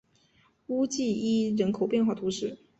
乌济伊人口变化图示